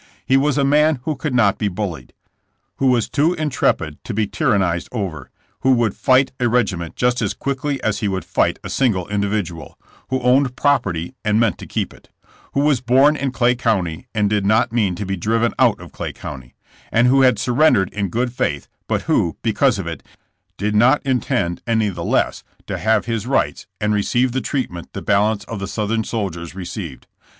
He was a man who could not be bullied— who was too intrepid to be tyrannized over —who would fight a regiment just as quickly as he would fight a single individual— who owned property and meant to keep it — who was born in Clay County and did not mean to be driven out of Clay County— and who had surrendered in good faith, but who, because of it, did not intend any the less to have his AlfTBR THS WAR. 73 rigMs and receive the treatment the balance of the Southern soldiers received.